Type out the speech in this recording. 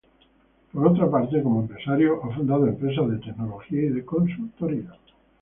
Por otra parte, como empresario ha fundado empresas de Tecnología y de Consultoría.